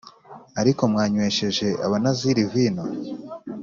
Ariko mwanywesheje Abanaziri vino